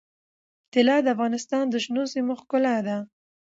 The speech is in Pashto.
طلا د افغانستان د شنو سیمو ښکلا ده.